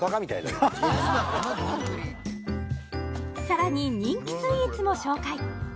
さらに人気スイーツも紹介